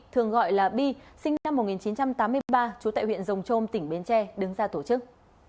thường gọi là bi sinh năm một nghìn chín trăm tám mươi ba trú tại huyện rồng trôm tỉnh bến tre đứng ra tổ chức